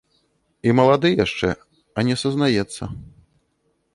І малады яшчэ, а не сазнаецца.